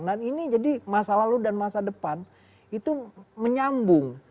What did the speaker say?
nah ini jadi masa lalu dan masa depan itu menyambung